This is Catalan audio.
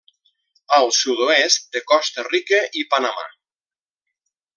Al sud-oest de Costa Rica i Panamà.